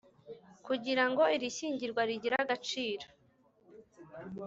Kugira ngo iri shyingirwa rigire agaciro